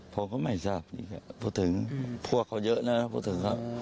ผมก็ไม่สร้างพูดถึงพวกเขาเยอะน่ะพูดถึงครับ